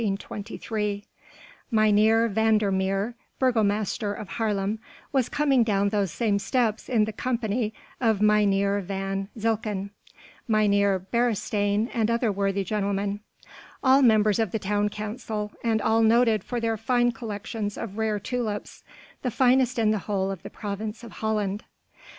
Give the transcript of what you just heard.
Mynheer van der Meer, Burgomaster of Haarlem, was coming down those same steps in the company of Mynheer van Zilcken, Mynheer Beresteyn and other worthy gentlemen, all members of the town council and all noted for their fine collections of rare tulips, the finest in the whole of the province of Holland.